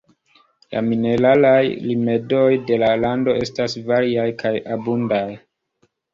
La mineralaj rimedoj de la lando estas variaj kaj abundaj.